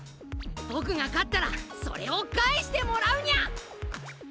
ボクがかったらそれをかえしてもらうニャ！